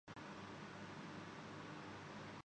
ان جگہوں میں سورج کی روشنی آکر واپس نہیں جاسکتی ۔